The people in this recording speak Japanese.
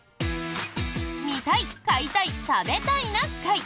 「見たい買いたい食べたいな会」！